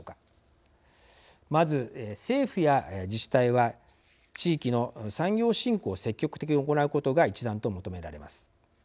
まず政府や自治体は地域の産業振興を積極的に行うことが一段と求められます。